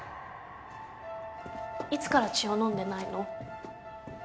いつから血を飲んでないの？